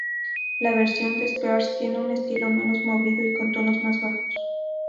La versión de Spears tiene un estilo menos movido y con tonos más bajos.